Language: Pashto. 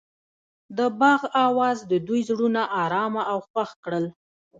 د باغ اواز د دوی زړونه ارامه او خوښ کړل.